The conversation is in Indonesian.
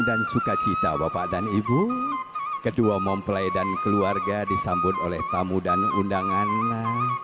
dan sukacita bapak dan ibu kedua mempelai dan keluarga disambut oleh tamu dan undangannya